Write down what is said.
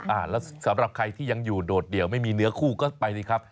แล้วสำหรับใครที่ยังอยู่โดดเดี่ยวไม่มีเนื้อคู่ก็ไปสิครับ